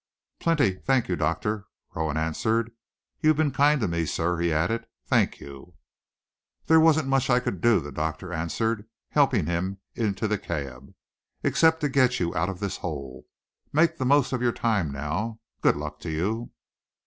"Plenty, thank you, doctor," Rowan answered. "You've been kind to me, sir," he added. "Thank you!" "There wasn't much I could do," the doctor answered, helping him into the cab, "except to get you out of this hole. Make the most of your time now. Good luck to you!"